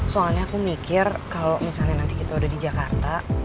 soalnya aku mikir kalau misalnya nanti kita udah di jakarta